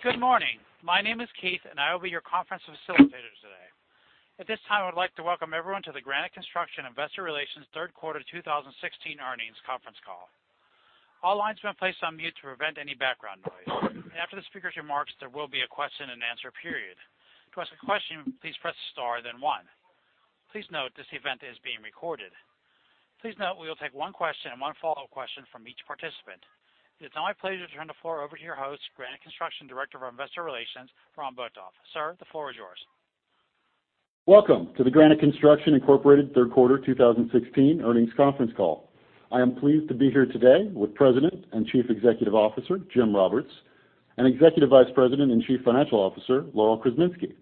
Good morning. My name is Keith, and I will be your conference facilitator today. At this time, I would like to welcome everyone to the Granite Construction Investor Relations third quarter 2016 earnings conference call. All lines have been placed on mute to prevent any background noise. After the speaker's remarks, there will be a question-and-answer period. To ask a question, please press star, then one. Please note, this event is being recorded. Please note we will take one question and one follow-up question from each participant. It's now my pleasure to turn the floor over to your host, Granite Construction Director of Investor Relations Ron Botoff. Sir, the floor is yours. Welcome to the Granite Construction Incorporated third quarter 2016 earnings conference call. I am pleased to be here today with President and Chief Executive Officer, Jim Roberts, and Executive Vice President and Chief Financial Officer, Laurel Krzeminski.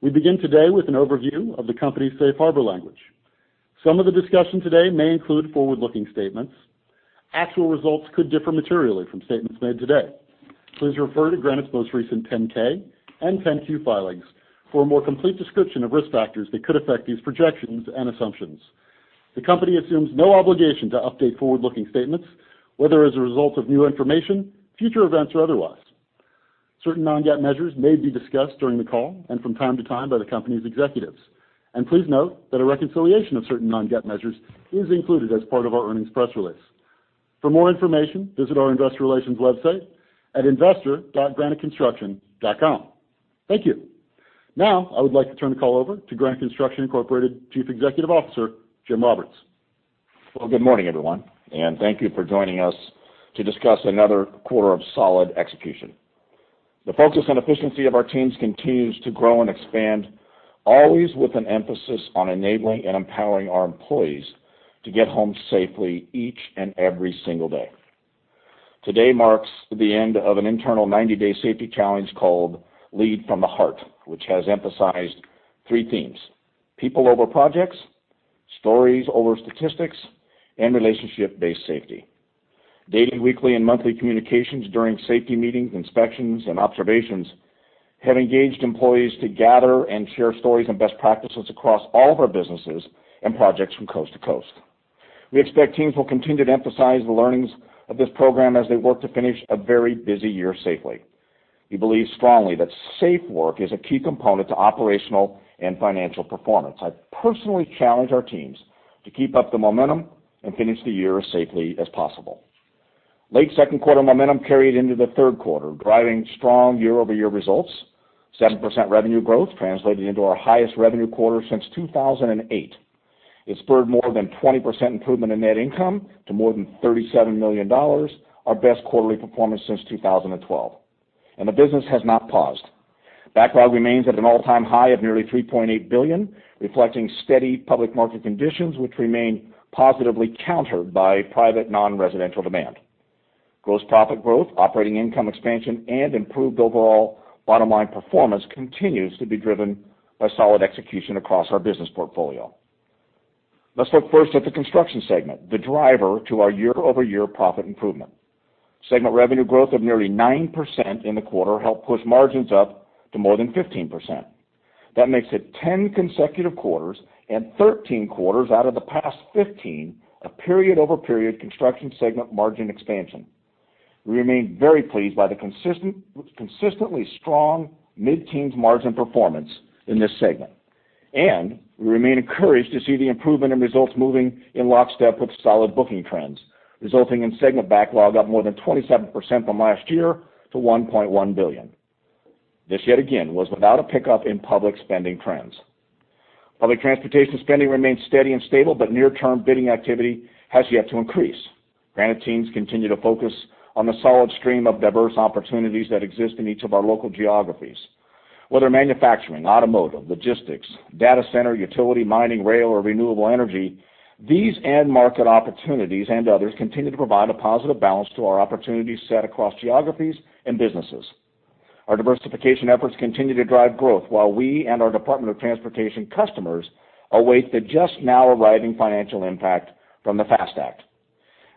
We begin today with an overview of the company's Safe Harbor language. Some of the discussion today may include forward-looking statements. Actual results could differ materially from statements made today. Please refer to Granite's most recent 10-K and 10-Q filings for a more complete description of risk factors that could affect these projections and assumptions. The company assumes no obligation to update forward-looking statements, whether as a result of new information, future events, or otherwise. Certain non-GAAP measures may be discussed during the call and from time to time by the company's executives. Please note that a reconciliation of certain non-GAAP measures is included as part of our earnings press release. For more information, visit our investor relations website at investor.graniteconstruction.com. Thank you. Now, I would like to turn the call over to Granite Construction Incorporated, Chief Executive Officer, Jim Roberts. Well, good morning, everyone, and thank you for joining us to discuss another quarter of solid execution. The focus on efficiency of our teams continues to grow and expand, always with an emphasis on enabling and empowering our employees to get home safely each and every single day. Today marks the end of an internal 90-day safety challenge called Lead from the Heart, which has emphasized three themes: people over projects, stories over statistics, and relationship-based safety. Daily, weekly, and monthly communications during safety meetings, inspections, and observations have engaged employees to gather and share stories and best practices across all of our businesses and projects from coast to coast. We expect teams will continue to emphasize the learnings of this program as they work to finish a very busy year safely. We believe strongly that safe work is a key component to operational and financial performance. I personally challenge our teams to keep up the momentum and finish the year as safely as possible. Late second quarter momentum carried into the third quarter, driving strong year-over-year results. 7% revenue growth translated into our highest revenue quarter since 2008. It spurred more than 20% improvement in net income to more than $37 million, our best quarterly performance since 2012. The business has not paused. Backlog remains at an all-time high of nearly $3.8 billion, reflecting steady public market conditions, which remain positively countered by private non-residential demand. Gross profit growth, operating income expansion, and improved overall bottom line performance continues to be driven by solid execution across our business portfolio. Let's look first at the Construction segment, the driver to our year-over-year profit improvement. Segment revenue growth of nearly 9% in the quarter helped push margins up to more than 15%. That makes it 10 consecutive quarters and 13 quarters out of the past 15, a period-over-period Construction segment margin expansion. We remain very pleased by the consistent, consistently strong mid-teens margin performance in this segment, and we remain encouraged to see the improvement in results moving in lockstep with solid booking trends, resulting in segment backlog up more than 27% from last year to $1.1 billion. This, yet again, was without a pickup in public spending trends. Public transportation spending remains steady and stable, but near-term bidding activity has yet to increase. Granite teams continue to focus on the solid stream of diverse opportunities that exist in each of our local geographies. Whether manufacturing, automotive, logistics, data center, utility, mining, rail, or renewable energy, these end-market opportunities and others continue to provide a positive balance to our opportunity set across geographies and businesses. Our diversification efforts continue to drive growth, while we and our Department of Transportation customers await the just now arriving financial impact from the FAST Act.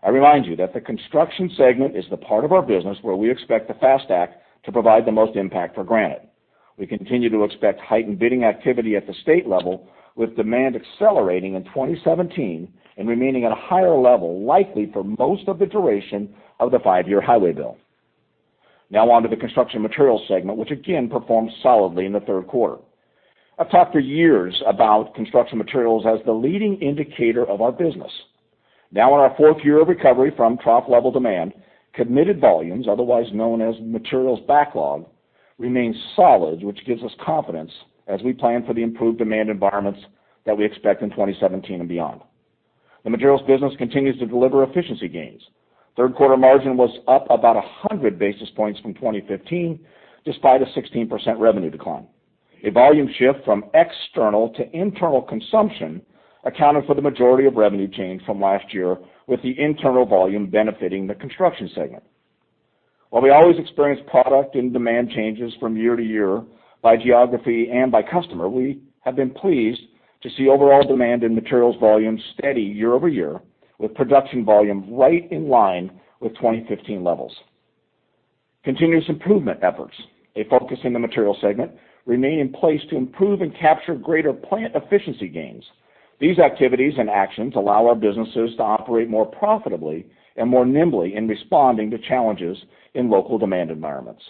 I remind you that the Construction segment is the part of our business where we expect the FAST Act to provide the most impact for Granite. We continue to expect heightened bidding activity at the state level, with demand accelerating in 2017 and remaining at a higher level, likely for most of the duration of the five-year highway bill. Now on to the Construction Materials segment, which again performed solidly in the third quarter. I've talked for years about Construction Materials as the leading indicator of our business. Now in our fourth year of recovery from trough level demand, committed volumes, otherwise known as materials backlog, remain solid, which gives us confidence as we plan for the improved demand environments that we expect in 2017 and beyond. The materials business continues to deliver efficiency gains. Third quarter margin was up about 100 basis points from 2015, despite a 16% revenue decline. A volume shift from external to internal consumption accounted for the majority of revenue change from last year, with the internal volume benefiting the Construction segment. While we always experience product and demand changes from year to year by geography and by customer, we have been pleased to see overall demand in materials volume steady year-over-year, with production volume right in line with 2015 levels. Continuous improvement efforts, a focus in the materials segment, remain in place to improve and capture greater plant efficiency gains. These activities and actions allow our businesses to operate more profitably and more nimbly in responding to challenges in local demand environments.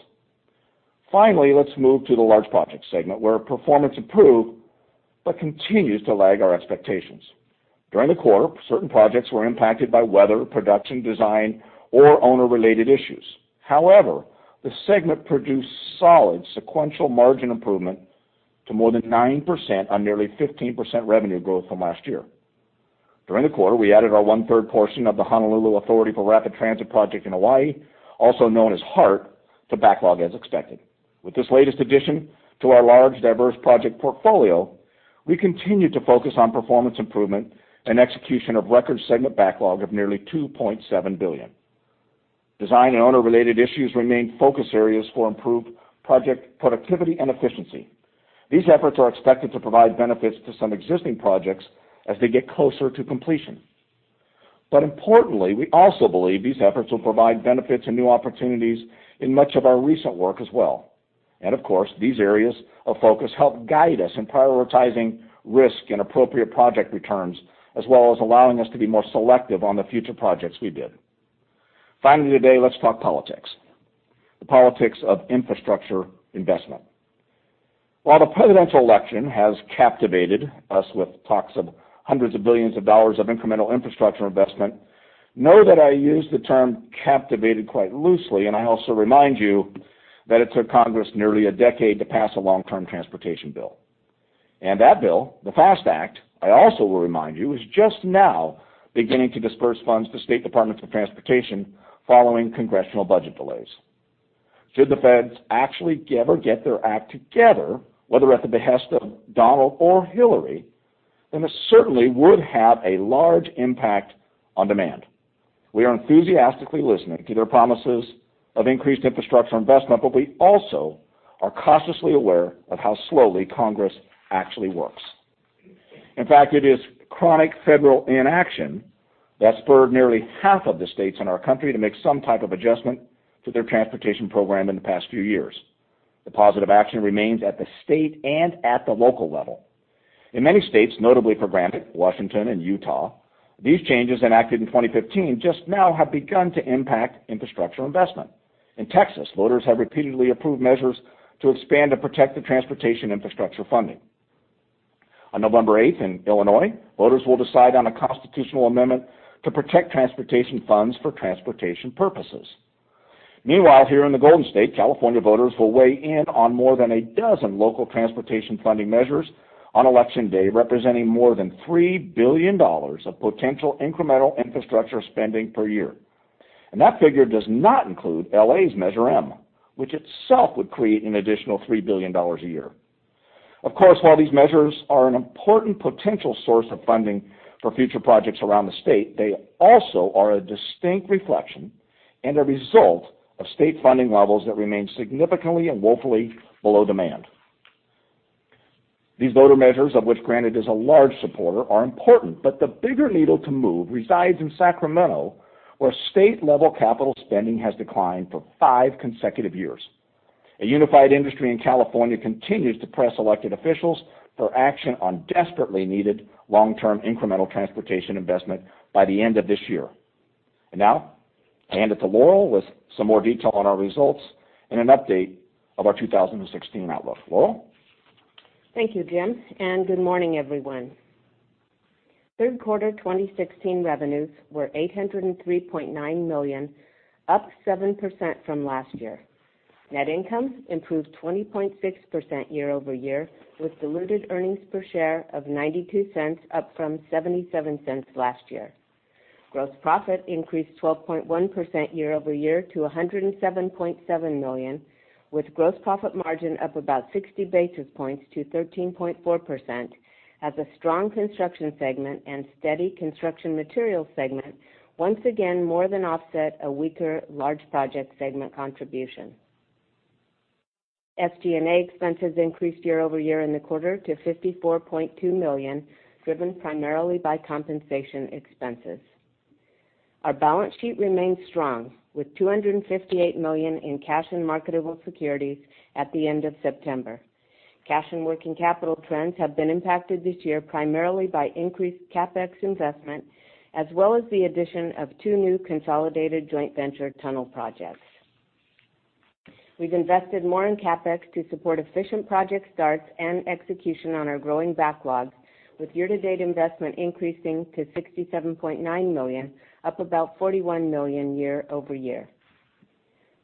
Finally, let's move to the Large Project segment, where performance improved, but continues to lag our expectations. During the quarter, certain projects were impacted by weather, production, design, or owner-related issues. However, the segment produced solid sequential margin improvement to more than 9% on nearly 15% revenue growth from last year. During the quarter, we added our one-third portion of the Honolulu Authority for Rapid Transit Project in Hawaii, also known as HART, to backlog as expected. With this latest addition to our large, diverse project portfolio, we continue to focus on performance improvement and execution of record segment backlog of nearly $2.7 billion. Design and owner-related issues remain focus areas for improved project productivity and efficiency. These efforts are expected to provide benefits to some existing projects as they get closer to completion. But importantly, we also believe these efforts will provide benefits and new opportunities in much of our recent work as well. And of course, these areas of focus help guide us in prioritizing risk and appropriate project returns, as well as allowing us to be more selective on the future projects we bid. Finally, today, let's talk politics, the politics of infrastructure investment. While the presidential election has captivated us with talks of hundreds of billions of incremental infrastructure investment, know that I use the term captivated quite loosely, and I also remind you that it took Congress nearly a decade to pass a long-term transportation bill. That bill, the FAST Act, I also will remind you, is just now beginning to disburse funds to state departments of transportation following congressional budget delays. Should the feds actually give or get their act together, whether at the behest of Donald or Hillary, then this certainly would have a large impact on demand. We are enthusiastically listening to their promises of increased infrastructure investment, but we also are cautiously aware of how slowly Congress actually works. In fact, it is chronic federal inaction that spurred nearly half of the states in our country to make some type of adjustment to their transportation program in the past few years. The positive action remains at the state and at the local level. In many states, notably for Granite, Washington, and Utah, these changes enacted in 2015 just now have begun to impact infrastructure investment. In Texas, voters have repeatedly approved measures to expand and protect the transportation infrastructure funding. On November 8, in Illinois, voters will decide on a constitutional amendment to protect transportation funds for transportation purposes. Meanwhile, here in the Golden State, California voters will weigh in on more than a dozen local transportation funding measures on Election Day, representing more than $3 billion of potential incremental infrastructure spending per year. That figure does not include L.A.'s Measure M, which itself would create an additional $3 billion a year. Of course, while these measures are an important potential source of funding for future projects around the state, they also are a distinct reflection and a result of state funding levels that remain significantly and woefully below demand. These voter measures, of which Granite is a large supporter, are important, but the bigger needle to move resides in Sacramento, where state-level capital spending has declined for five consecutive years. A unified industry in California continues to press elected officials for action on desperately needed long-term incremental transportation investment by the end of this year. Now, I hand it to Laurel with some more detail on our results and an update of our 2016 outlook. Laurel? Thank you, Jim, and good morning, everyone. Third quarter 2016 revenues were $803.9 million, up 7% from last year. Net income improved 20.6% year-over-year, with diluted earnings per share of $0.92, up from $0.77 last year. Gross profit increased 12.1% year-over-year to $107.7 million, with gross profit margin up about 60 basis points to 13.4%, as a strong Construction segment and steady Construction Materials segment once again more than offset a weaker Large Project segment contribution. SG&A expenses increased year-over-year in the quarter to $54.2 million, driven primarily by compensation expenses. Our balance sheet remains strong, with $258 million in cash and marketable securities at the end of September. Cash and working capital trends have been impacted this year primarily by increased CapEx investment, as well as the addition of two new consolidated joint venture tunnel projects. We've invested more in CapEx to support efficient project starts and execution on our growing backlogs, with year-to-date investment increasing to $67.9 million, up about $41 million year-over-year.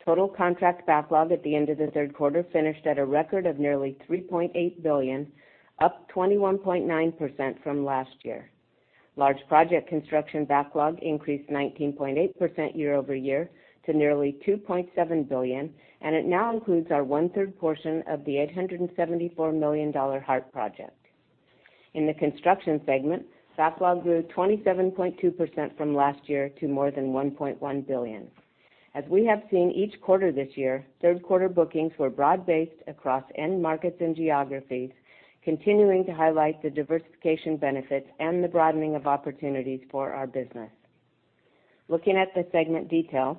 Total contract backlog at the end of the third quarter finished at a record of nearly $3.8 billion, up 21.9% from last year. Large Project construction backlog increased 19.8% year-over-year to nearly $2.7 billion, and it now includes our one-third portion of the $874 million HART project. In the Construction segment, backlog grew 27.2% from last year to more than $1.1 billion. As we have seen each quarter this year, third quarter bookings were broad-based across end markets and geographies, continuing to highlight the diversification benefits and the broadening of opportunities for our business. Looking at the segment detail.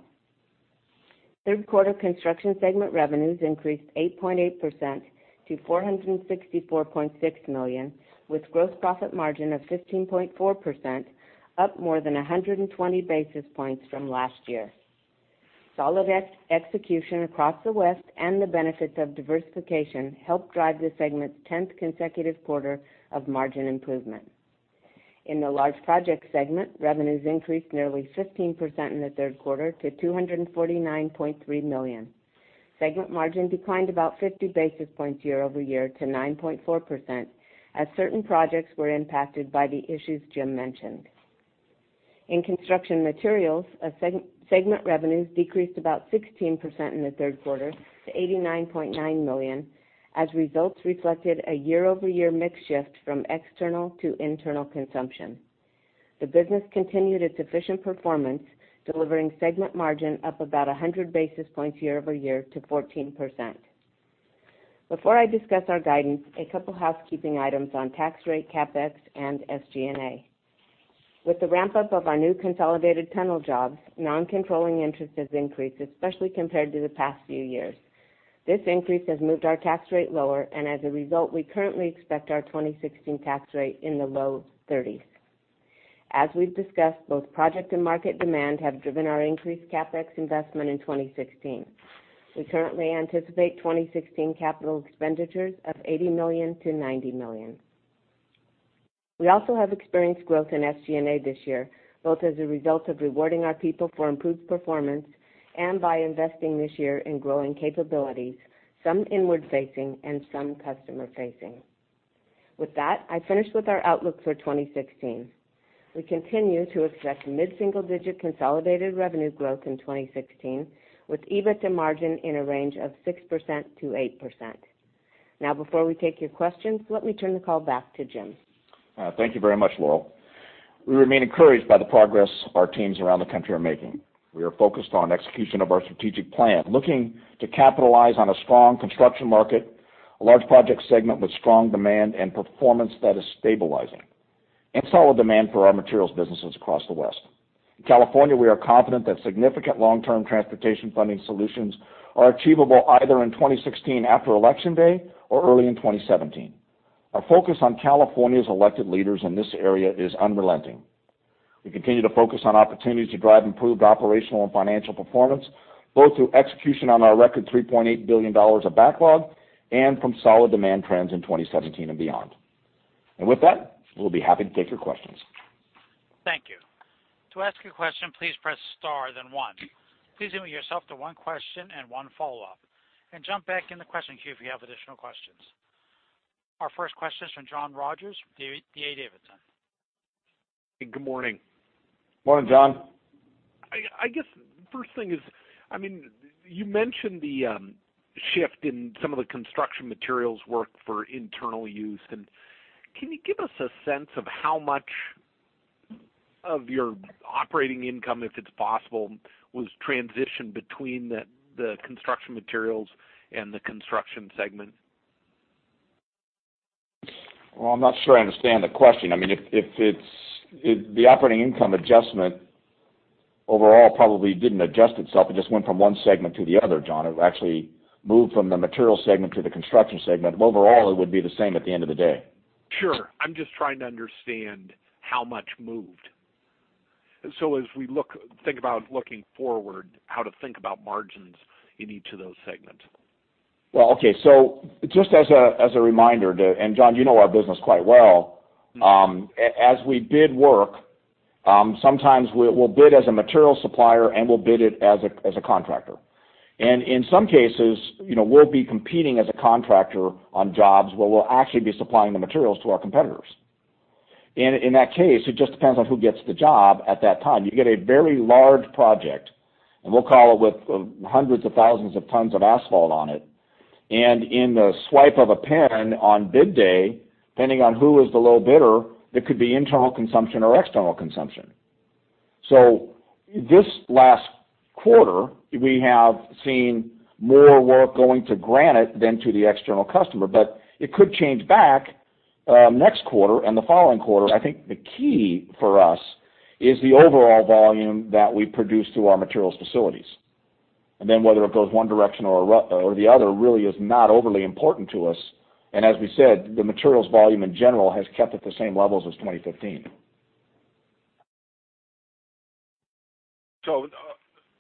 Third quarter Construction segment revenues increased 8.8% to $464.6 million, with gross profit margin of 15.4%, up more than 120 basis points from last year. Solid execution across the West and the benefits of diversification helped drive the segment's 10th consecutive quarter of margin improvement. In the Large Project segment, revenues increased nearly 15% in the third quarter to $249.3 million. Segment margin declined about 50 basis points year-over-year to 9.4%, as certain projects were impacted by the issues Jim mentioned. In Construction Materials, segment revenues decreased about 16% in the third quarter to $89.9 million, as results reflected a year-over-year mix shift from external to internal consumption. The business continued its efficient performance, delivering segment margin up about 100 basis points year over year to 14%. Before I discuss our guidance, a couple housekeeping items on tax rate, CapEx, and SG&A. With the ramp-up of our new consolidated tunnel jobs, non-controlling interest has increased, especially compared to the past few years. This increase has moved our tax rate lower, and as a result, we currently expect our 2016 tax rate in the low 30s. As we've discussed, both project and market demand have driven our increased CapEx investment in 2016. We currently anticipate 2016 capital expenditures of $80 million-$90 million. We also have experienced growth in SG&A this year, both as a result of rewarding our people for improved performance and by investing this year in growing capabilities, some inward-facing and some customer-facing. With that, I finish with our outlook for 2016. We continue to expect mid-single-digit consolidated revenue growth in 2016, with EBITDA margin in a range of 6%-8%. Now, before we take your questions, let me turn the call back to Jim. Thank you very much, Laurel. We remain encouraged by the progress our teams around the country are making. We are focused on execution of our strategic plan, looking to capitalize on a strong construction market, a Large Project segment with strong demand and performance that is stabilizing, and solid demand for our materials businesses across the West. In California, we are confident that significant long-term transportation funding solutions are achievable either in 2016, after Election Day, or early in 2017. Our focus on California's elected leaders in this area is unrelenting. We continue to focus on opportunities to drive improved operational and financial performance, both through execution on our record $3.8 billion of backlog and from solid demand trends in 2017 and beyond. And with that, we'll be happy to take your questions. Thank you. To ask a question, please press star, then one. Please limit yourself to one question and one follow-up, and jump back in the question queue if you have additional questions. Our first question is from John Rogers from D.A. Davidson. Good morning. Morning, John. I guess the first thing is, I mean, you mentioned the shift in some of the Construction Materials work for internal use. And can you give us a sense of how much of your operating income, if it's possible, was transitioned between the Construction Materials and the Construction segment? Well, I'm not sure I understand the question. I mean, if the operating income adjustment overall probably didn't adjust itself, it just went from one segment to the other, John. It actually moved from the materials segment to the Construction segment. Overall, it would be the same at the end of the day. Sure. I'm just trying to understand how much moved. So as we think about looking forward, how to think about margins in each of those segments. Well, okay. So just as a reminder to, and John, you know our business quite well, as we bid work, sometimes we'll bid as a materials supplier, and we'll bid it as a contractor. And in some cases, you know, we'll be competing as a contractor on jobs where we'll actually be supplying the materials to our competitors. And in that case, it just depends on who gets the job at that time. You get a very large project, and we'll call it with hundreds of thousands of tons of asphalt on it, and in the swipe of a pen on bid day, depending on who is the low bidder, it could be internal consumption or external consumption. So this last quarter, we have seen more work going to Granite than to the external customer, but it could change back next quarter and the following quarter. I think the key for us is the overall volume that we produce through our materials facilities. And then whether it goes one direction or or the other, really is not overly important to us. And as we said, the materials volume, in general, has kept at the same levels as 2015. So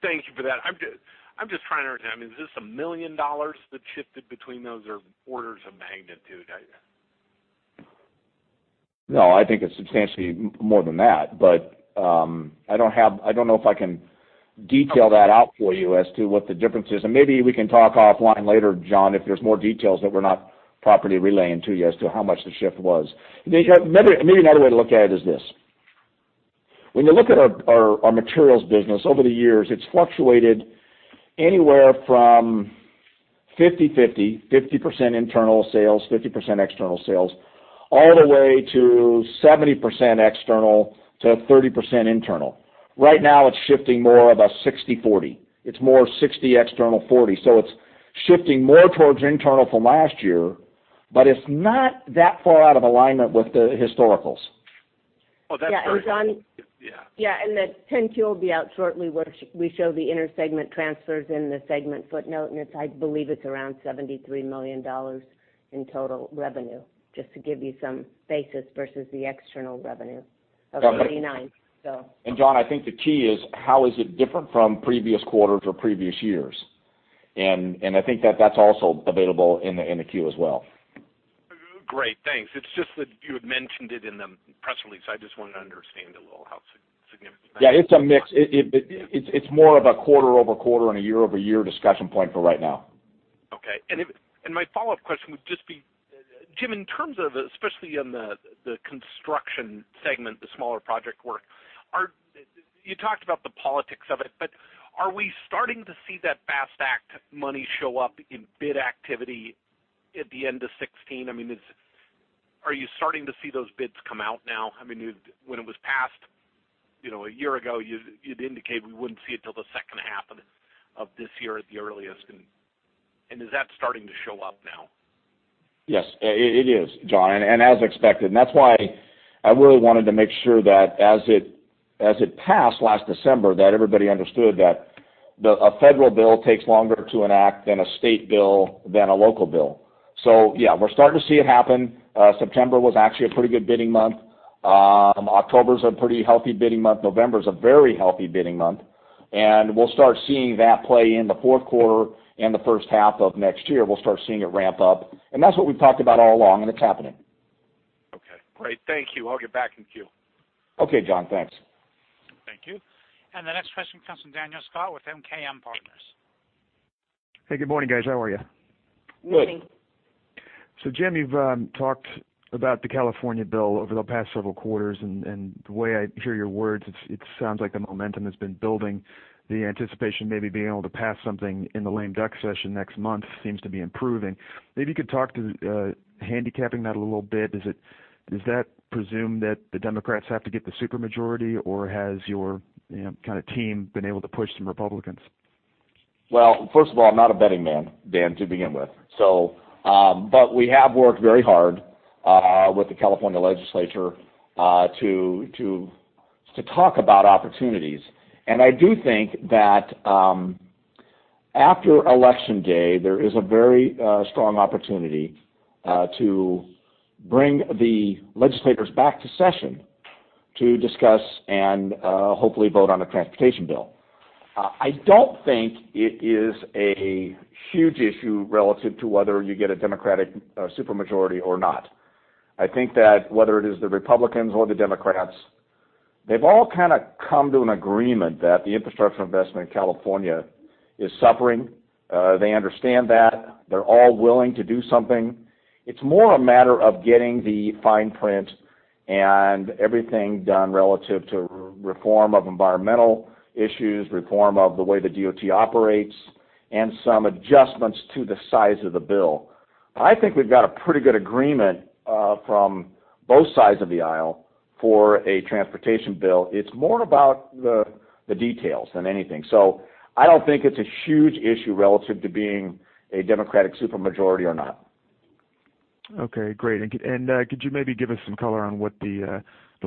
thank you for that. I'm just trying to understand, I mean, is this $1 million that shifted between those or orders of magnitude? No, I think it's substantially more than that, but I don't know if I can detail that out for you as to what the difference is. And maybe we can talk offline later, John, if there's more details that we're not properly relaying to you as to how much the shift was. Maybe another way to look at it is this: When you look at our materials business over the years, it's fluctuated anywhere from 50/50, 50% internal sales, 50% external sales, all the way to 70% external to 30% internal. Right now, it's shifting more of a 60/40. It's more 60 external, 40. So it's shifting more towards internal from last year, but it's not that far out of alignment with the historicals. Oh, that's John? Yeah. Yeah, and the 10-Q will be out shortly, where we show the intersegment transfers in the segment footnote, and I believe it's around $73 million in total revenue, just to give you some basis versus the external revenue of $39, so. John, I think the key is, how is it different from previous quarters or previous years? And I think that that's also available in the Q as well. Great, thanks. It's just that you had mentioned it in the press release. I just wanted to understand a little how significant- Yeah, it's a mix. It's more of a quarter-over-quarter and a year-over-year discussion point for right now. Okay. My follow-up question would just be, Jim, in terms of, especially in the Construction segment, the smaller project work, You talked about the politics of it, but are we starting to see that FAST Act money show up in bid activity at the end of 2016? I mean, are you starting to see those bids come out now? I mean, when it was passed, you know, a year ago, you'd indicate we wouldn't see it till the second half of it, of this year at the earliest. And is that starting to show up now? Yes, it is, John, and as expected. And that's why I really wanted to make sure that as it passed last December, that everybody understood that a federal bill takes longer to enact than a state bill, than a local bill. So yeah, we're starting to see it happen. September was actually a pretty good bidding month. October's a pretty healthy bidding month. November is a very healthy bidding month, and we'll start seeing that play in the fourth quarter and the first half of next year, we'll start seeing it ramp up. And that's what we've talked about all along, and it's happening. Okay, great. Thank you. I'll get back in queue. Okay, John. Thanks. Thank you. The next question comes from Daniel Scott with MKM Partners. Hey, good morning, guys. How are you? Good. Morning. So Jim, you've talked about the California bill over the past several quarters, and the way I hear your words, it sounds like the momentum has been building. The anticipation, maybe being able to pass something in the lame duck session next month, seems to be improving. Maybe you could talk to handicapping that a little bit. Does that presume that the Democrats have to get the supermajority, or has your, you know, kind of team been able to push some Republicans? Well, first of all, I'm not a betting man, Dan, to begin with. So, but we have worked very hard with the California legislature to talk about opportunities. And I do think that, after election day, there is a very strong opportunity to bring the legislators back to session to discuss and hopefully vote on a transportation bill. I don't think it is a huge issue relative to whether you get a Democratic super majority or not. I think that whether it is the Republicans or the Democrats, they've all kind of come to an agreement that the infrastructure investment in California is suffering. They understand that. They're all willing to do something. It's more a matter of getting the fine print and everything done relative to reform of environmental issues, reform of the way the DOT operates, and some adjustments to the size of the bill. I think we've got a pretty good agreement from both sides of the aisle for a transportation bill. It's more about the, the details than anything. So I don't think it's a huge issue relative to being a Democratic supermajority or not. Okay, great. And could you maybe give us some color on what the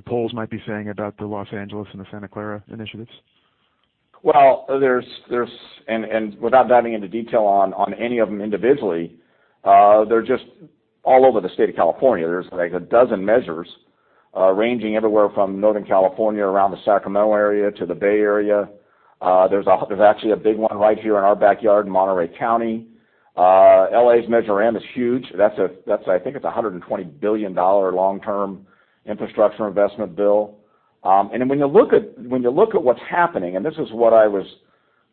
polls might be saying about the Los Angeles and the Santa Clara initiatives? Well, there's... And without diving into detail on any of them individually, they're just all over the state of California. There's, like, a dozen measures, ranging everywhere from Northern California, around the Sacramento area, to the Bay Area. There's actually a big one right here in our backyard, in Monterey County. L.A.'s Measure M is huge. That's, I think it's a $120 billion long-term infrastructure investment bill. And when you look at, when you look at what's happening, and this is what I was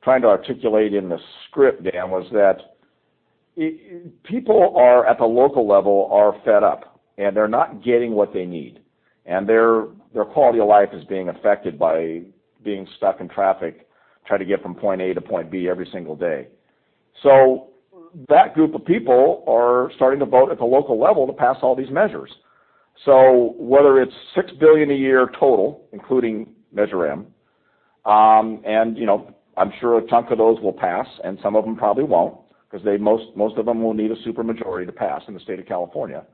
trying to articulate in the script, Dan, was that people are at the local level fed up, and they're not getting what they need, and their quality of life is being affected by being stuck in traffic, trying to get from point A to point B every single day. So that group of people are starting to vote at the local level to pass all these measures. So whether it's $6 billion a year total, including Measure M, and, you know, I'm sure a chunk of those will pass, and some of them probably won't, 'cause they, most of them will need a super majority to pass in the state of California.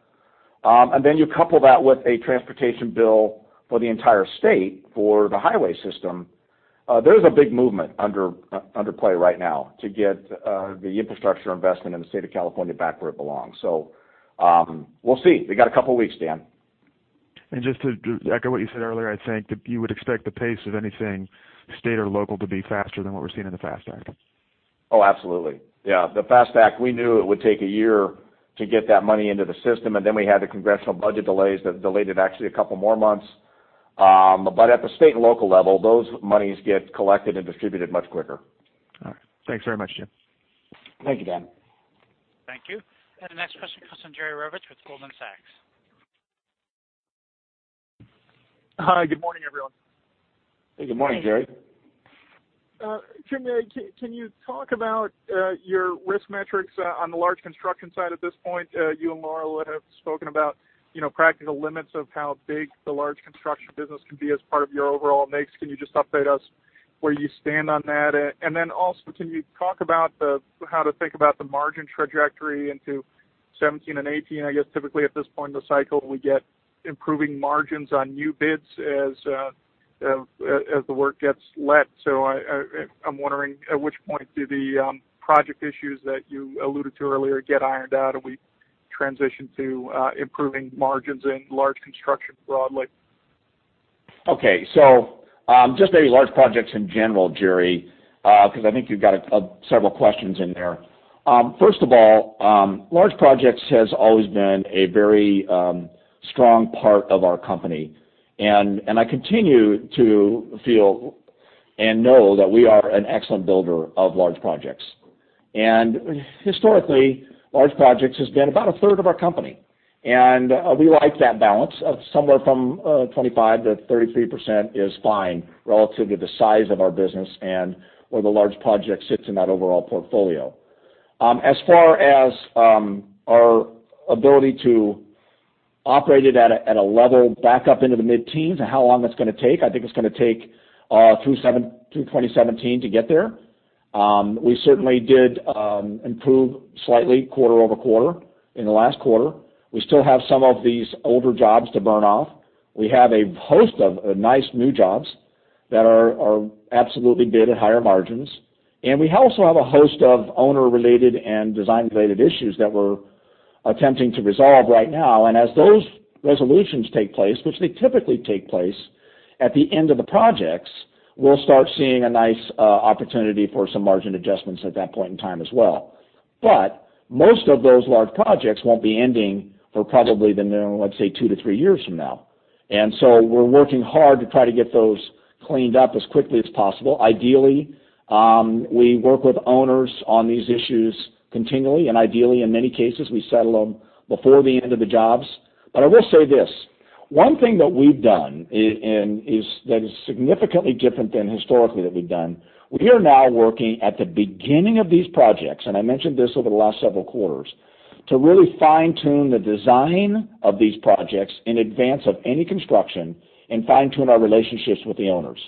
And then you couple that with a transportation bill for the entire state, for the highway system. There's a big movement underway right now to get the infrastructure investment in the state of California back where it belongs. So, we'll see. We got a couple weeks, Dan. And just to echo what you said earlier, I think you would expect the pace of anything state or local to be faster than what we're seeing in the FAST Act? Oh, absolutely. Yeah, the FAST Act, we knew it would take a year to get that money into the system, and then we had the congressional budget delays that delayed it actually a couple more months. But at the state and local level, those monies get collected and distributed much quicker. All right. Thanks very much, Jim. Thank you, Dan. Thank you. And the next question comes from Jerry Revich with Goldman Sachs. Hi, good morning, everyone. Hey, good morning, Jerry. Jim, can you talk about your risk metrics on the large construction side at this point? You and Laurel have spoken about, you know, practical limits of how big the large construction business can be as part of your overall mix. Can you just update us?... where you stand on that? And then also, can you talk about the, how to think about the margin trajectory into 2017 and 2018? I guess, typically at this point in the cycle, we get improving margins on new bids as the work gets let. So I'm wondering, at which point do the project issues that you alluded to earlier get ironed out, and we transition to improving margins in large construction broadly? Okay. So, just maybe Large Projects in general, Jerry, because I think you've got several questions in there. First of all, Large Projects has always been a very strong part of our company, and I continue to feel and know that we are an excellent builder of Large Projects. And historically, Large Projects has been about a third of our company, and we like that balance of somewhere from 25%-33% is fine relative to the size of our business and where the large project sits in that overall portfolio. As far as our ability to operate it at a level back up into the mid-teens and how long that's gonna take, I think it's gonna take through 2017 to get there. We certainly did improve slightly quarter over quarter in the last quarter. We still have some of these older jobs to burn off. We have a host of nice new jobs that are absolutely bid at higher margins, and we also have a host of owner-related and design-related issues that we're attempting to resolve right now. And as those resolutions take place, which they typically take place at the end of the projects, we'll start seeing a nice opportunity for some margin adjustments at that point in time as well. But most of those Large Projects won't be ending for probably the, let's say, 2-3 years from now. And so we're working hard to try to get those cleaned up as quickly as possible. Ideally, we work with owners on these issues continually, and ideally, in many cases, we settle them before the end of the jobs. But I will say this: one thing that we've done, and is, that is significantly different than historically that we've done, we are now working at the beginning of these projects, and I mentioned this over the last several quarters, to really fine-tune the design of these projects in advance of any construction and fine-tune our relationships with the owners.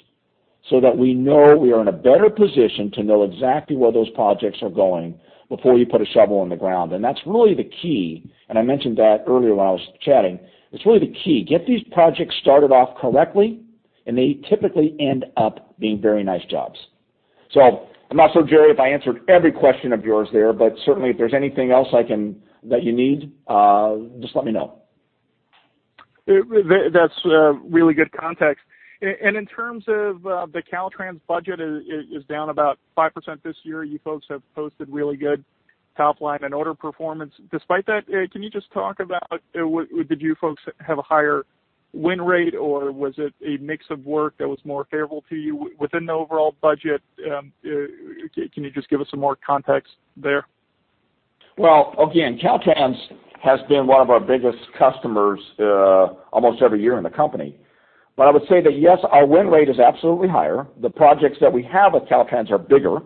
So that we know we are in a better position to know exactly where those projects are going before you put a shovel in the ground. And that's really the key, and I mentioned that earlier when I was chatting. It's really the key. Get these projects started off correctly, and they typically end up being very nice jobs. I'm not sure, Jerry, if I answered every question of yours there, but certainly, if there's anything else I can... that you need, just let me know. That's really good context. In terms of the Caltrans budget is down about 5% this year. You folks have posted really good top line and order performance. Despite that, can you just talk about did you folks have a higher win rate, or was it a mix of work that was more favorable to you within the overall budget? Can you just give us some more context there? Well, again, Caltrans has been one of our biggest customers, almost every year in the company. But I would say that, yes, our win rate is absolutely higher. The projects that we have with Caltrans are bigger.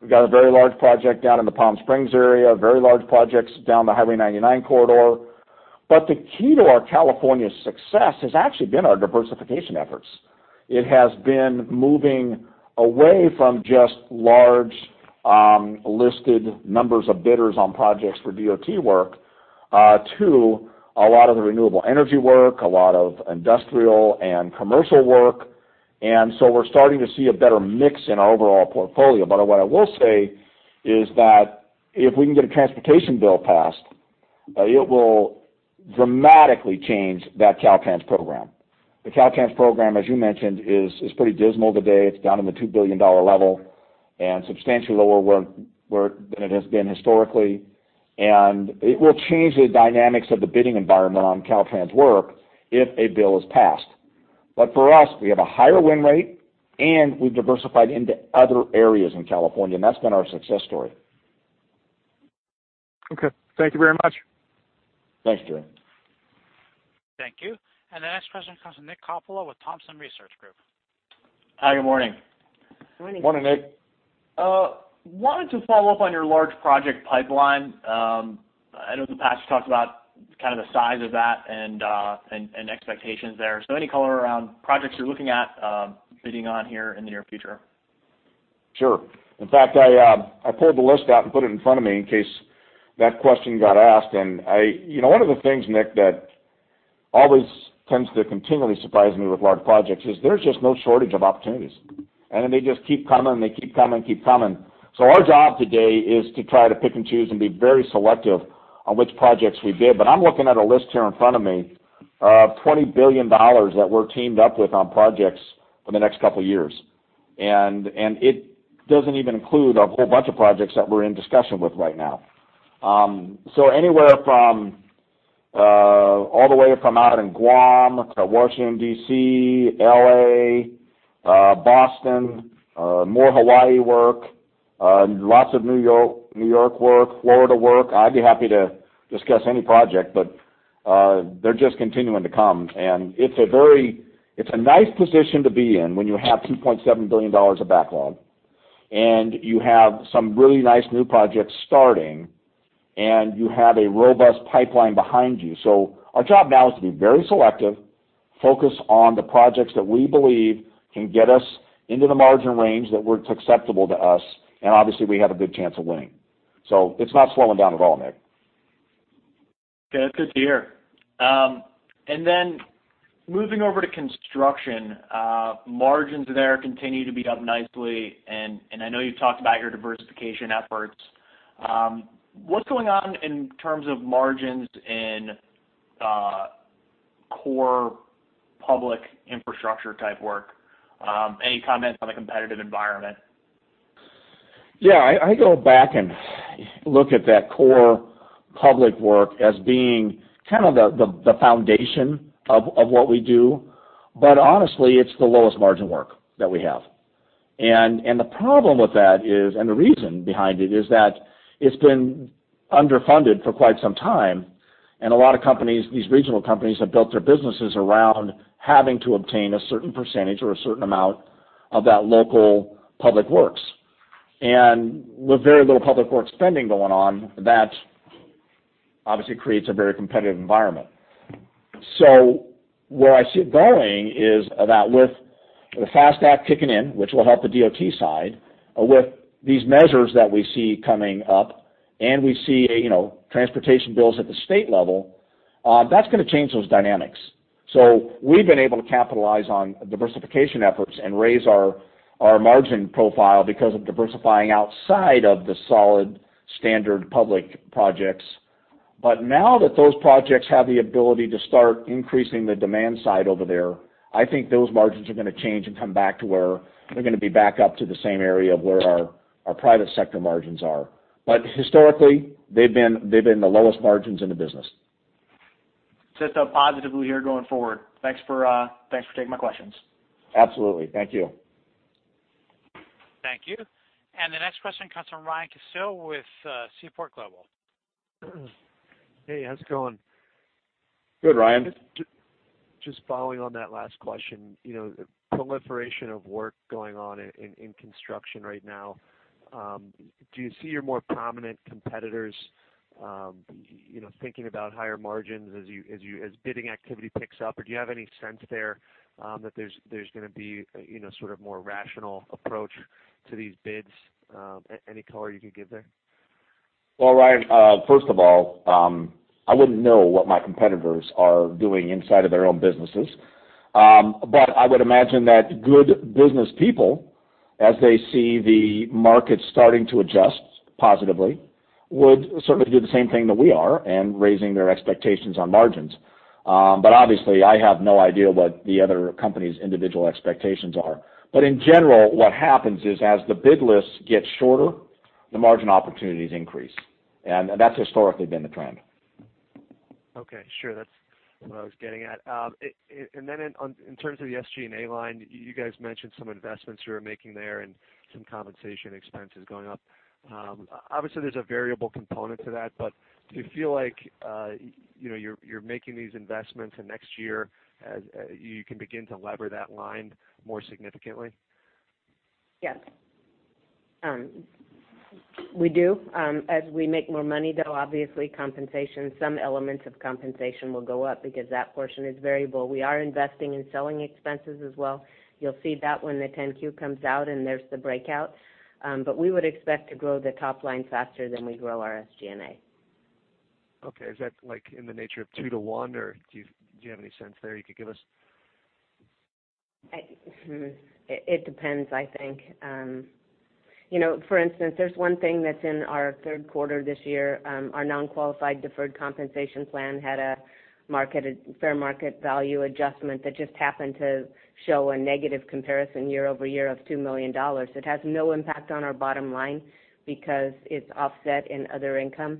We've got a very large project down in the Palm Springs area, very Large Projects down the Highway 99 corridor. But the key to our California success has actually been our diversification efforts. It has been moving away from just large, listed numbers of bidders on projects for DOT work, to a lot of the renewable energy work, a lot of industrial and commercial work, and so we're starting to see a better mix in our overall portfolio. But what I will say is that if we can get a transportation bill passed, it will dramatically change that Caltrans program. The Caltrans program, as you mentioned, is pretty dismal today. It's down in the $2 billion level and substantially lower where than it has been historically, and it will change the dynamics of the bidding environment on Caltrans work if a bill is passed. But for us, we have a higher win rate, and we've diversified into other areas in California, and that's been our success story. Okay, thank you very much. Thanks, Jerry. Thank you. The next question comes from Nick Coppola with Thompson Research Group. Hi, good morning. Morning, Nick. Wanted to follow up on your large project pipeline. I know in the past, you talked about kind of the size of that and expectations there. So any color around projects you're looking at, bidding on here in the near future? Sure. In fact, I, I pulled the list out and put it in front of me in case that question got asked. And I... You know, one of the things, Nick, that always tends to continually surprise me with Large Projects is there's just no shortage of opportunities, and they just keep coming, they keep coming, keep coming. So our job today is to try to pick and choose and be very selective on which projects we bid. But I'm looking at a list here in front of me, $20 billion that we're teamed up with on projects for the next couple of years. And, and it doesn't even include a whole bunch of projects that we're in discussion with right now. So anywhere from all the way from out in Guam to Washington, D.C., L.A., Boston, more Hawaii work, lots of New York, New York work, Florida work. I'd be happy to discuss any project, but they're just continuing to come. And it's a nice position to be in when you have $2.7 billion of backlog, and you have some really nice new projects starting... and you have a robust pipeline behind you. So our job now is to be very selective, focus on the projects that we believe can get us into the margin range that works acceptable to us, and obviously, we have a good chance of winning. So it's not slowing down at all, Nick. Okay, that's good to hear. And then moving over to construction, margins there continue to be up nicely, and I know you've talked about your diversification efforts. What's going on in terms of margins in core public infrastructure type work? Any comments on the competitive environment? Yeah, I go back and look at that core public work as being kind of the foundation of what we do. But honestly, it's the lowest margin work that we have. And the problem with that is, and the reason behind it, is that it's been underfunded for quite some time, and a lot of companies, these regional companies, have built their businesses around having to obtain a certain percentage or a certain amount of that local public works. And with very little public works spending going on, that obviously creates a very competitive environment. So where I see it going is that with the FAST Act kicking in, which will help the DOT side, with these measures that we see coming up, and we see, you know, transportation bills at the state level, that's gonna change those dynamics. So we've been able to capitalize on diversification efforts and raise our, our margin profile because of diversifying outside of the solid, standard public projects. But now that those projects have the ability to start increasing the demand side over there, I think those margins are gonna change and come back to where they're gonna be back up to the same area of where our, our private sector margins are. But historically, they've been, they've been the lowest margins in the business. It's positively here going forward. Thanks for taking my questions. Absolutely. Thank you. Thank you. And the next question comes from Ryan Cassil with Seaport Global. Hey, how's it going? Good, Ryan. Just following on that last question, you know, the proliferation of work going on in construction right now, do you see your more prominent competitors, you know, thinking about higher margins as bidding activity picks up? Or do you have any sense there that there's gonna be a, you know, sort of more rational approach to these bids? Any color you can give there? Well, Ryan, first of all, I wouldn't know what my competitors are doing inside of their own businesses. But I would imagine that good businesspeople, as they see the market starting to adjust positively, would sort of do the same thing that we are and raising their expectations on margins. But obviously, I have no idea what the other companies' individual expectations are. But in general, what happens is as the bid lists get shorter, the margin opportunities increase, and that's historically been the trend. Okay, sure. That's what I was getting at. And then in terms of the SG&A line, you guys mentioned some investments you were making there and some compensation expenses going up. Obviously, there's a variable component to that, but do you feel like, you know, you're making these investments, and next year you can begin to lever that line more significantly? Yes. We do. As we make more money, though, obviously, compensation, some elements of compensation will go up because that portion is variable. We are investing in selling expenses as well. You'll see that when the 10-Q comes out, and there's the breakout. But we would expect to grow the top line faster than we grow our SG&A. Okay. Is that, like, in the nature of 2 to 1, or do you have any sense there you could give us? It depends, I think. You know, for instance, there's one thing that's in our third quarter this year, our non-qualified deferred compensation plan had a mark-to-market fair market value adjustment that just happened to show a negative comparison year-over-year of $2 million. It has no impact on our bottom line because it's offset in other income,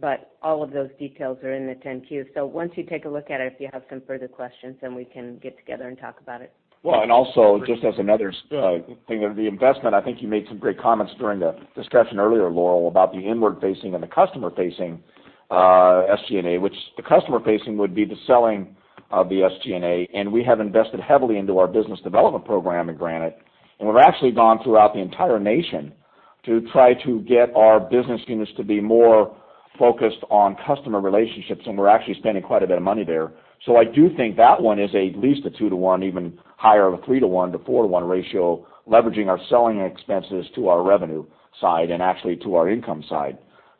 but all of those details are in the 10-Q. So once you take a look at it, if you have some further questions, then we can get together and talk about it. Well, and also, just as another thing of the investment, I think you made some great comments during the discussion earlier, Laurel, about the inward-facing and the customer-facing SG&A, which the customer-facing would be the selling of the SG&A, and we have invested heavily into our business development program at Granite. And we've actually gone throughout the entire nation to try to get our business units to be more focused on customer relationships, and we're actually spending quite a bit of money there. So I do think that one is at least a 2-to-1, even higher, of a 3-to-1 to 4-to-1 ratio, leveraging our selling expenses to our revenue side and actually to our income side.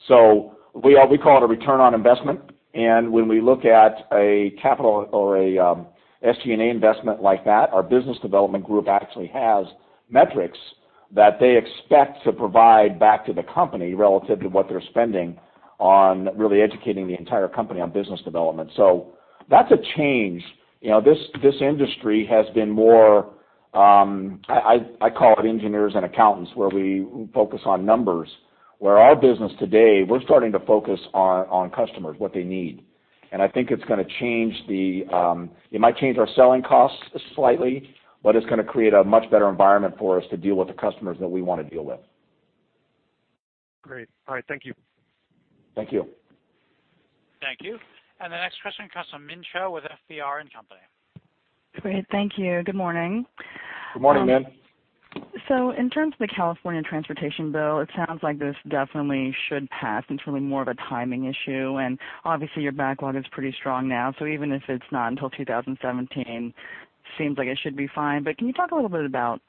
So we call it a return on investment, and when we look at a capital or a SG&A investment like that, our business development group actually has metrics that they expect to provide back to the company relative to what they're spending on really educating the entire company on business development. So that's a change. You know, this industry has been more I call it engineers and accountants, where we focus on numbers, where our business today, we're starting to focus on customers, what they need. And I think it's gonna change the. It might change our selling costs slightly, but it's gonna create a much better environment for us to deal with the customers that we want to deal with. Great. All right. Thank you. Thank you. ...Thank you. The next question comes from Min Cho with FBR & Company. Great, thank you. Good morning. Good morning, Min. So in terms of the California transportation bill, it sounds like this definitely should pass, and it's really more of a timing issue, and obviously, your backlog is pretty strong now. So even if it's not until 2017, seems like it should be fine. But can you talk a little bit about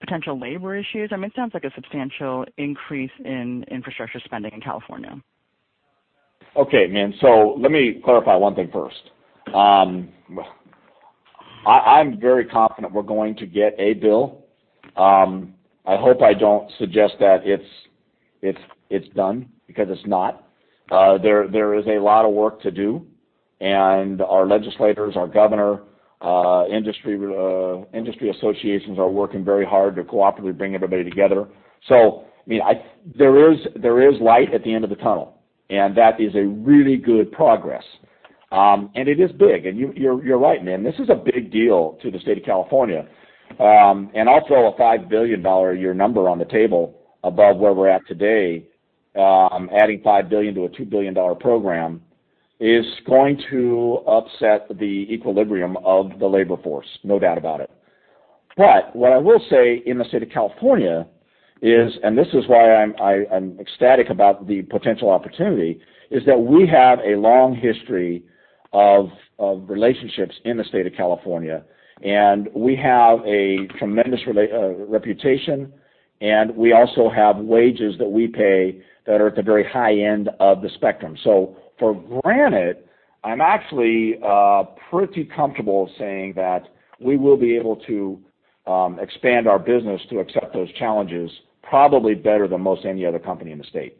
potential labor issues? I mean, it sounds like a substantial increase in infrastructure spending in California. Okay, Min. So let me clarify one thing first. I'm very confident we're going to get a bill. I hope I don't suggest that it's done, because it's not. There is a lot of work to do, and our legislators, our governor, industry associations are working very hard to cooperatively bring everybody together. So, I mean, there is light at the end of the tunnel, and that is a really good progress. And it is big, and you're right, Min, this is a big deal to the state of California. And also a $5 billion a year number on the table above where we're at today, adding $5 billion to a $2 billion program, is going to upset the equilibrium of the labor force, no doubt about it. But what I will say in the state of California is, and this is why I'm ecstatic about the potential opportunity, is that we have a long history of relationships in the state of California, and we have a tremendous reputation, and we also have wages that we pay that are at the very high end of the spectrum. So for Granite, I'm actually pretty comfortable saying that we will be able to expand our business to accept those challenges, probably better than most any other company in the state.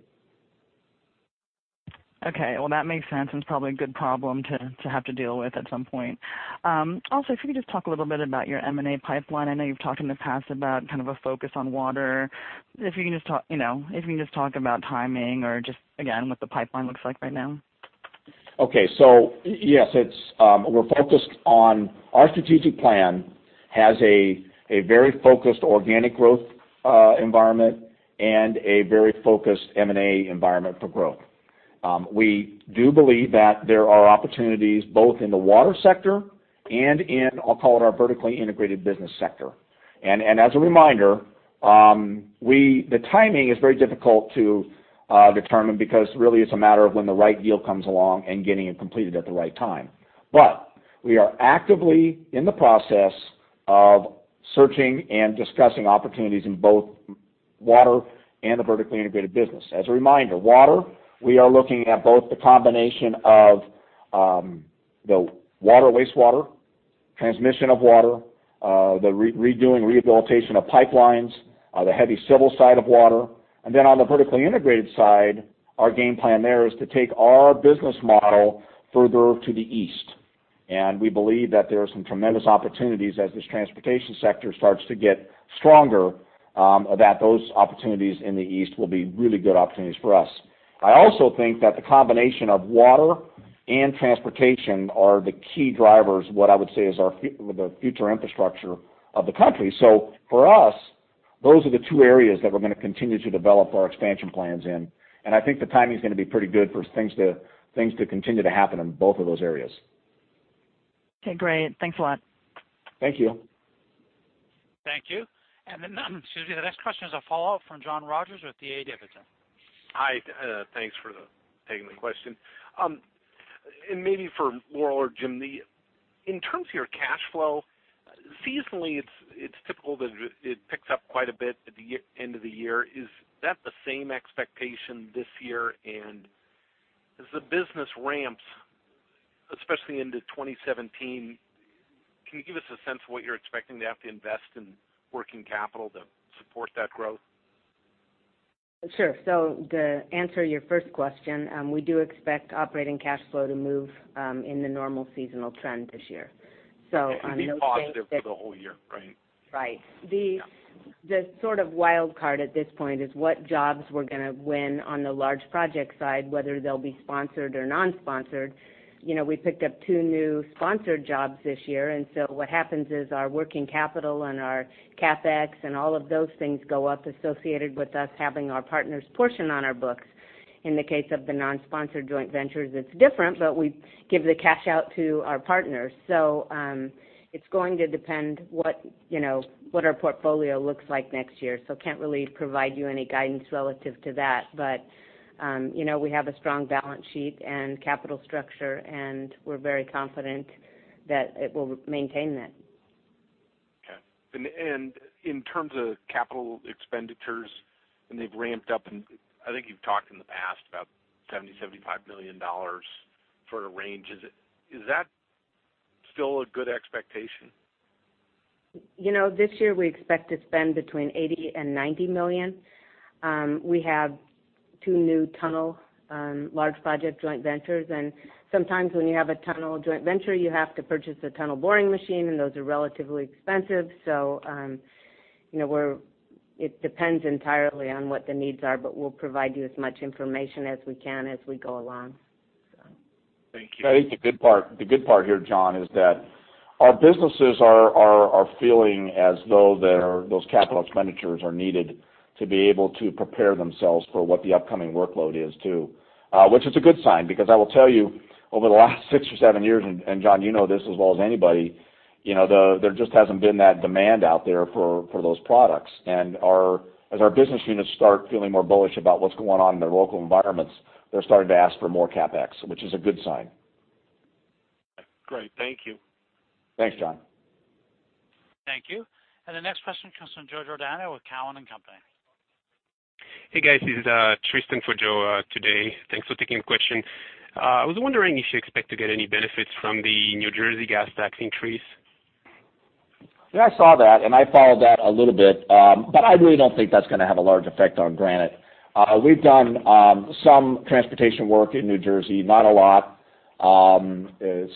Okay. Well, that makes sense, and it's probably a good problem to have to deal with at some point. Also, if you could just talk a little bit about your M&A pipeline. I know you've talked in the past about kind of a focus on water. If you can just talk, you know, about timing or just, again, what the pipeline looks like right now. Okay. So yes, it's, we're focused on... Our strategic plan has a very focused organic growth environment and a very focused M&A environment for growth. We do believe that there are opportunities both in the water sector and in, I'll call it, our vertically integrated business sector. And as a reminder, the timing is very difficult to determine because really it's a matter of when the right deal comes along and getting it completed at the right time. But we are actively in the process of searching and discussing opportunities in both water and the vertically integrated business. As a reminder, water, we are looking at both the combination of the water wastewater, transmission of water, the redoing, rehabilitation of pipelines, the heavy civil side of water. And then on the vertically integrated side, our game plan there is to take our business model further to the east. And we believe that there are some tremendous opportunities as this transportation sector starts to get stronger, that those opportunities in the east will be really good opportunities for us. I also think that the combination of water and transportation are the key drivers, what I would say is the future infrastructure of the country. So for us, those are the two areas that we're gonna continue to develop our expansion plans in, and I think the timing is gonna be pretty good for things to continue to happen in both of those areas. Okay, great. Thanks a lot. Thank you. Thank you. Excuse me, the next question is a follow-up from John Rogers with D.A. Davidson. Hi, thanks for taking the question. And maybe for Laurel or Jim, in terms of your cash flow, seasonally, it's typical that it picks up quite a bit at the end of the year. Is that the same expectation this year? And as the business ramps, especially into 2017, can you give us a sense of what you're expecting to have to invest in working capital to support that growth? Sure. So to answer your first question, we do expect operating cash flow to move, in the normal seasonal trend this year. So on those days- Be positive for the whole year, right? Right. The- Yeah. The sort of wild card at this point is what jobs we're gonna win on the large project side, whether they'll be sponsored or non-sponsored. You know, we picked up 2 new sponsored jobs this year, and so what happens is our working capital and our CapEx and all of those things go up associated with us having our partners' portion on our books. In the case of the non-sponsored joint ventures, it's different, but we give the cash out to our partners. So, it's going to depend what, you know, what our portfolio looks like next year, so can't really provide you any guidance relative to that. But, you know, we have a strong balance sheet and capital structure, and we're very confident that it will maintain that. Okay. And in terms of capital expenditures, they've ramped up, and I think you've talked in the past about $70-$75 million for a range. Is that still a good expectation? You know, this year, we expect to spend between $80 million and $90 million. We have two new tunnel, large project joint ventures, and sometimes when you have a tunnel joint venture, you have to purchase a tunnel boring machine, and those are relatively expensive. So, you know, it depends entirely on what the needs are, but we'll provide you as much information as we can as we go along, so. Thank you. I think the good part, the good part here, John, is that our businesses are feeling as though they're those capital expenditures are needed to be able to prepare themselves for what the upcoming workload is, too. Which is a good sign, because I will tell you, over the last six or seven years, and John, you know this as well as anybody, you know, there just hasn't been that demand out there for those products. And as our business units start feeling more bullish about what's going on in their local environments, they're starting to ask for more CapEx, which is a good sign. Great. Thank you. Thanks, John. Thank you. And the next question comes from Joe Giordano with Cowen and Company. Hey, guys, this is, Tristan for Joe, today. Thanks for taking the question. I was wondering if you expect to get any benefits from the New Jersey gas tax increase? Yeah, I saw that, and I followed that a little bit, but I really don't think that's gonna have a large effect on Granite. We've done some transportation work in New Jersey, not a lot.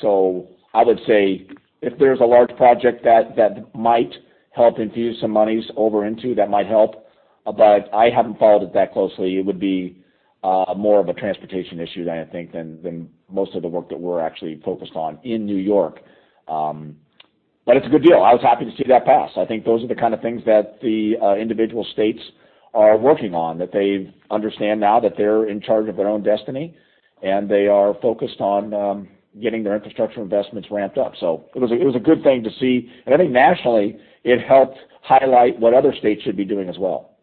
So I would say if there's a large project that might help infuse some monies over into that might help, but I haven't followed it that closely. It would be more of a transportation issue, I think, than most of the work that we're actually focused on in New York. But it's a good deal. I was happy to see that pass. I think those are the kind of things that the individual states are working on, that they understand now that they're in charge of their own destiny, and they are focused on getting their infrastructure investments ramped up. So it was a good thing to see. And I think nationally, it helped highlight what other states should be doing as well.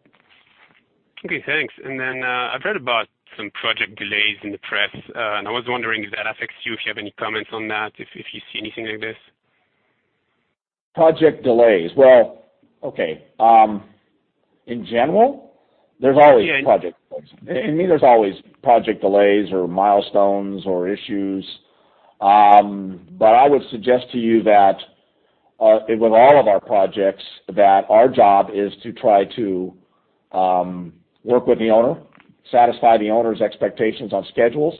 Okay, thanks. I've read about some project delays in the press, and I was wondering if that affects you, if you have any comments on that, if you see anything like this? Project delays. Well, okay, in general, there's always project delays. Yeah. To me, there's always project delays or milestones or issues. But I would suggest to you that, with all of our projects, that our job is to try to, work with the owner, satisfy the owner's expectations on schedules.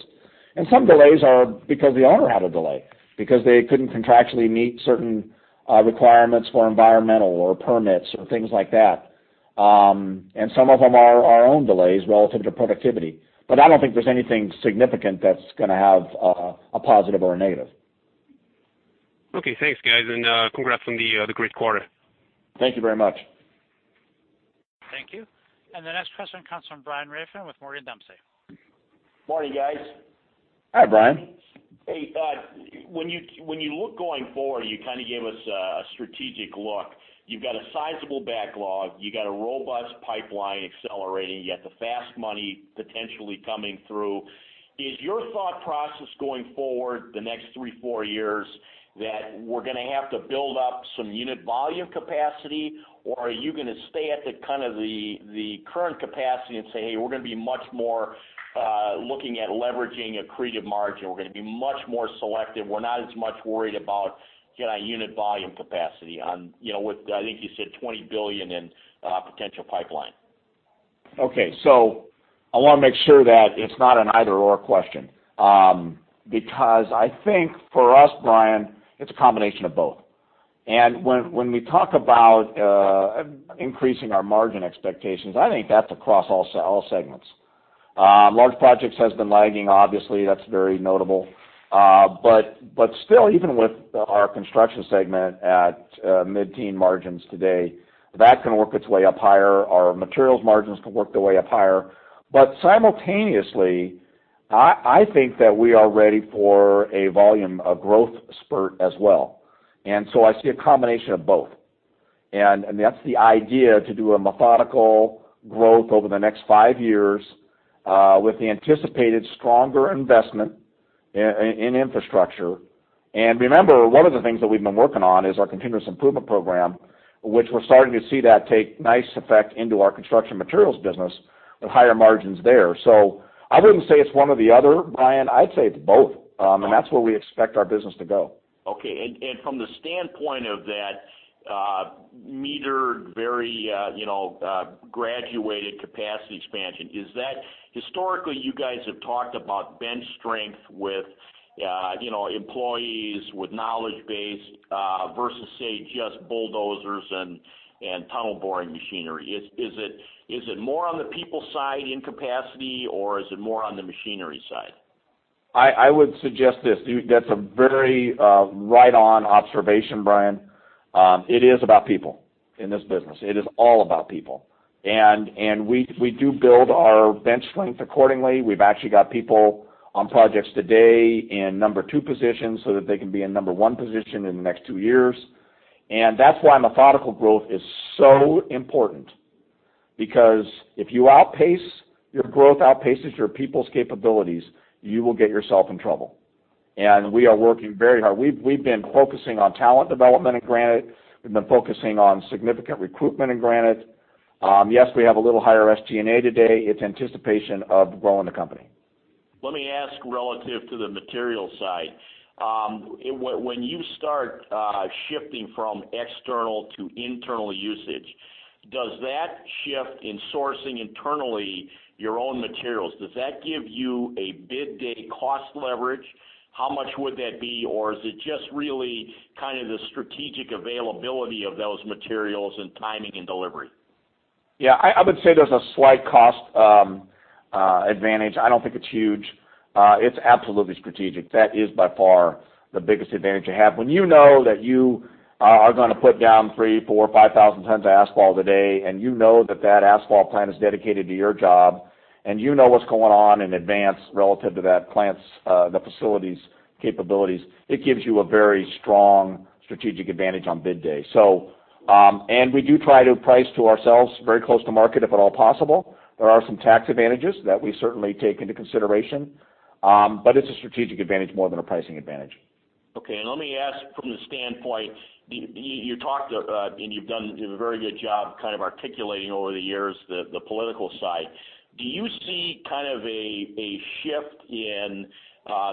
And some delays are because the owner had a delay, because they couldn't contractually meet certain, requirements for environmental or permits or things like that. And some of them are our own delays relative to productivity. But I don't think there's anything significant that's gonna have, a positive or a negative. Okay, thanks, guys, and congrats on the great quarter. Thank you very much. Thank you. The next question comes from Brian Rafn with Morgan Dempsey. Morning, guys. Hi, Brian. Hey, when you look going forward, you kind of gave us a strategic look. You've got a sizable backlog, you've got a robust pipeline accelerating, you got the FAST money potentially coming through. Is your thought process going forward the next three, four years, that we're gonna have to build up some unit volume capacity? Or are you gonna stay at the kind of the current capacity and say, "Hey, we're gonna be much more looking at leveraging accretive margin. We're gonna be much more selective. We're not as much worried about getting our unit volume capacity on," you know, with, I think you said, $20 billion in potential pipeline? Okay. So I wanna make sure that it's not an either/or question. Because I think for us, Brian, it's a combination of both. And when we talk about increasing our margin expectations, I think that's across all segments. Large Projects has been lagging, obviously, that's very notable. But still, even with our Construction segment at mid-teen margins today, that can work its way up higher. Our materials margins can work their way up higher. But simultaneously, I think that we are ready for a volume, a growth spurt as well. And so I see a combination of both. And that's the idea, to do a methodical growth over the next five years, with the anticipated stronger investment in infrastructure. Remember, one of the things that we've been working on is our continuous improvement program, which we're starting to see that take nice effect into our Construction Materials business with higher margins there. I wouldn't say it's one or the other, Brian. I'd say it's both, and that's where we expect our business to go. Okay. And from the standpoint of that, metered, very, you know, graduated capacity expansion, is that... Historically, you guys have talked about bench strength with, you know, employees with knowledge base, versus, say, just bulldozers and tunnel boring machinery. Is it more on the people side in capacity, or is it more on the machinery side? I would suggest this, that's a very right-on observation, Brian. It is about people in this business. It is all about people. And we do build our bench length accordingly. We've actually got people on projects today in number two positions, so that they can be in number one position in the next two years. And that's why methodical growth is so important, because if you outpace, your growth outpaces your people's capabilities, you will get yourself in trouble. And we are working very hard. We've been focusing on talent development in Granite. We've been focusing on significant recruitment in Granite. Yes, we have a little higher SG&A today. It's anticipation of growing the company. Let me ask, relative to the materials side, when you start shifting from external to internal usage, does that shift in sourcing internally your own materials, does that give you a bid day cost leverage? How much would that be, or is it just really kind of the strategic availability of those materials and timing and delivery?... Yeah, I would say there's a slight cost advantage. I don't think it's huge. It's absolutely strategic. That is, by far, the biggest advantage you have. When you know that you are gonna put down 3,000, 4,000, 5,000 tons of asphalt a day, and you know that that asphalt plant is dedicated to your job, and you know what's going on in advance relative to that plant's the facility's capabilities, it gives you a very strong strategic advantage on bid day. So, and we do try to price to ourselves very close to market, if at all possible. There are some tax advantages that we certainly take into consideration, but it's a strategic advantage more than a pricing advantage. Okay, and let me ask from the standpoint, you talked, and you've done a very good job kind of articulating over the years, the political side. Do you see kind of a shift in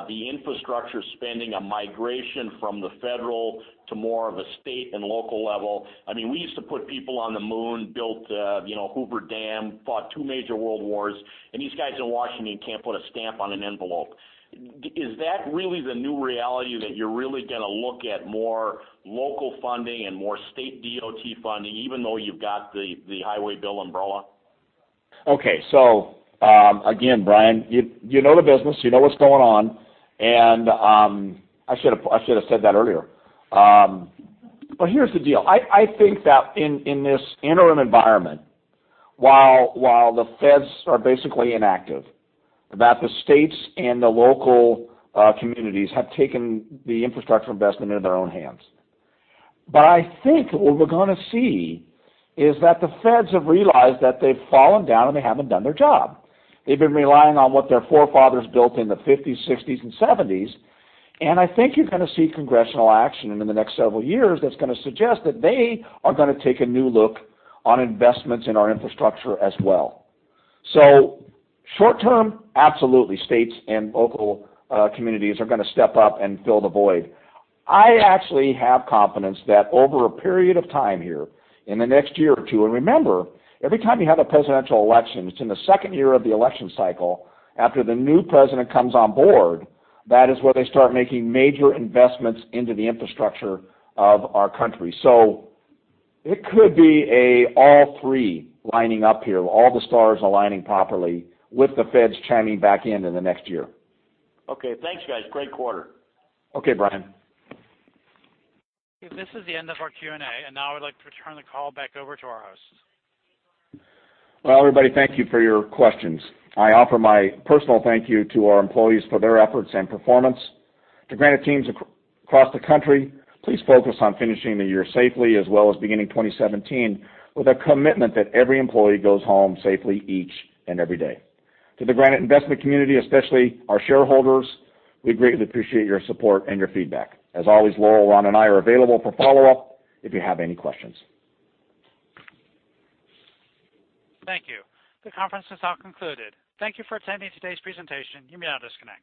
the infrastructure spending, a migration from the federal to more of a state and local level? I mean, we used to put people on the moon, built, you know, Hoover Dam, fought two major world wars, and these guys in Washington can't put a stamp on an envelope. Is that really the new reality, that you're really gonna look at more local funding and more state DOT funding, even though you've got the highway bill umbrella? Okay. So, again, Brian, you know the business, you know what's going on, and I should have said that earlier. But here's the deal. I think that in this interim environment, while the feds are basically inactive, the states and the local communities have taken the infrastructure investment into their own hands. But I think what we're gonna see is that the feds have realized that they've fallen down, and they haven't done their job. They've been relying on what their forefathers built in the '50s, '60s, and '70s, and I think you're gonna see congressional action in the next several years that's gonna suggest that they are gonna take a new look on investments in our infrastructure as well. So short term, absolutely, states and local communities are gonna step up and fill the void. I actually have confidence that over a period of time here, in the next year or two... And remember, every time you have a presidential election, it's in the second year of the election cycle, after the new president comes on board, that is where they start making major investments into the infrastructure of our country. So it could be all three lining up here, all the stars aligning properly, with the feds chiming back in in the next year. Okay, thanks, guys. Great quarter. Okay, Brian. This is the end of our Q&A, and now I'd like to turn the call back over to our host. Well, everybody, thank you for your questions. I offer my personal thank you to our employees for their efforts and performance. To Granite teams across the country, please focus on finishing the year safely, as well as beginning 2017, with a commitment that every employee goes home safely each and every day. To the Granite investment community, especially our shareholders, we greatly appreciate your support and your feedback. As always, Laurel, Ron, and I are available for follow-up if you have any questions. Thank you. The conference is now concluded. Thank you for attending today's presentation. You may now disconnect.